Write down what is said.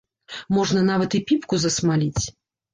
Можна нават і піпку засмаліць.